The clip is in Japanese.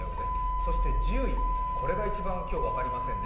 そして１０位、これが一番今日分かりませんね。